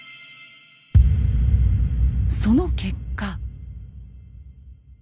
その結果。